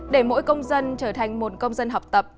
để mỗi công dân trở thành một công dân học tập